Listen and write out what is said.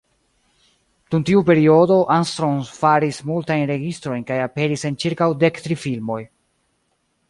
Dum tiu periodo, Armstrong faris multajn registrojn kaj aperis en ĉirkaŭ dektri filmoj.